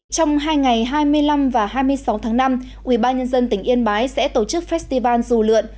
trong hai ngày hai mươi năm và hai mươi sáu tháng năm ubnd tỉnh yên bái sẽ tổ chức festival dù lượn